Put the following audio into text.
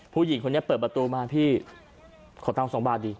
ผู้หญิงคนนี้เปิดประตูมาพี่ขอตังค์๒บาทดี